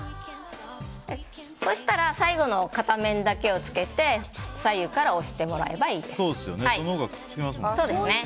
そして最後、片面だけつけて左右から押してもらえばいいです。